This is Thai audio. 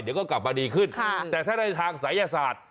เดี๋ยวก็กลับมาดีขึ้นแต่ถ้าในทางศัยศาสตร์